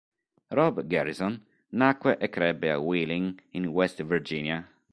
Rob Garrison nacque e crebbe a Wheeling, in West Virginia.